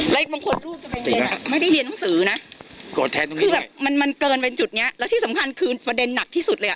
และบางคนรูปก็เป็นเง่นไม่ได้เรียนหนังสือน่ะมันเกินเป็นจุดนี้แล้วที่สำคัญคือเจ้าประเด็นหนังที่สุดเลยอะ